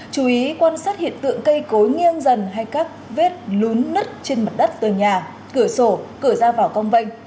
chú ý quan sát hiện tượng cây cối nghiêng dần hay các vết lún nứt trên mặt đất tường nhà cửa sổ cửa ra vào cong vanh